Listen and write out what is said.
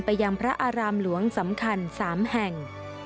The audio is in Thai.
ยังพระอารามหลวงสำคัญ๓แห่ง